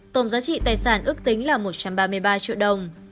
tổng giá trị tài sản ước tính là một trăm ba mươi ba triệu đồng